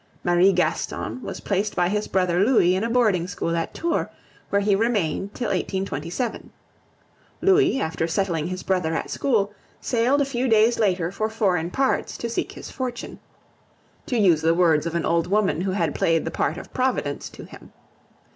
Marie Gaston was placed by his brother Louis in a boarding school at Tours, where he remained till 1827. Louis, after settling his brother at school, sailed a few days later for foreign parts "to seek his fortune," to use the words of an old woman who had played the part of Providence to him.